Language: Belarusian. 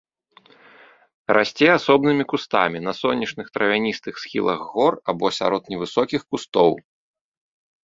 Расце асобнымі кустамі на сонечных травяністых схілах гор або сярод невысокіх кустоў.